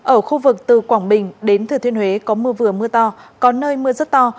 ở khu vực từ quảng bình đến thừa thiên huế có mưa vừa mưa to có nơi mưa rất to